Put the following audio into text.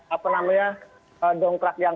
apa namanya donkrak yang